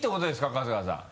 春日さん。